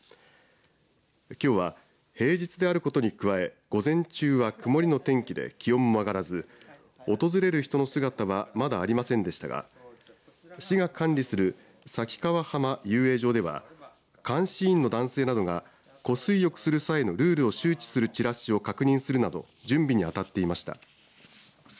きょうは平日であることに加え午前中は曇りの天気で気温も上がらず訪れる人の姿はまだありませんでしたが市が管理する崎川浜遊泳場では監視員の男性などが湖水浴する際のルールを周知するチラシを確認するなど準備に当たっていました。